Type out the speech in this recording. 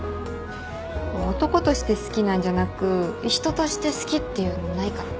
男として好きなんじゃなく人として好きっていうのないかな。